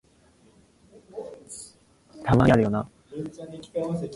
They clear Carmen Pryde's name and return to the United States.